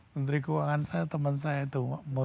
menteri keuangan saya teman saya itu